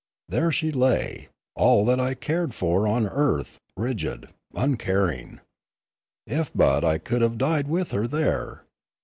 There she lay, all that I cared for on earth, rigid, uncaring. If but I could have died with her there!